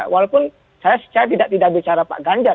walaupun saya tidak bicara pak ganjar